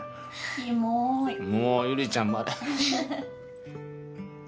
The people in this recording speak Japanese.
もうゆりちゃんまで。